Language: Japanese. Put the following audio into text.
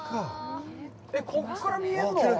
ここから見えるの！？